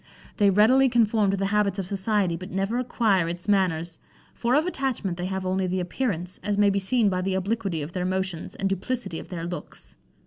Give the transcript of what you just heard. They readily conform to the habits of society, but never acquire its manners; for of attachment they have only the appearance, as may be seen by the obliquity of their motions, and duplicity of their looks.